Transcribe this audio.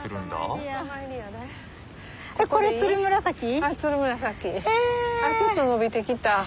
あっちょっと伸びてきた。